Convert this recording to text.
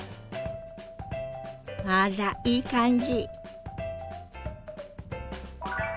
あらいい感じ。